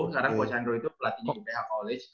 sekarang coach andro itu pelatihnya di uph college